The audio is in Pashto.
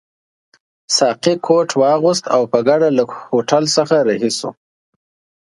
ساقي کوټ واغوست او په ګډه له هوټل څخه رهي شوو.